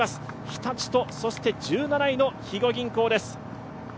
日立と１７位の肥後銀行です。